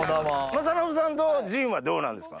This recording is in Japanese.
政伸さんと陣はどうなんですか？